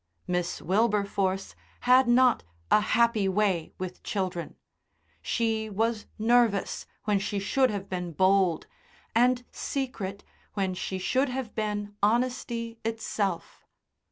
Miss Wilberforce had not a happy way with children; she was nervous when she should have been bold, and secret when she should have been honesty itself.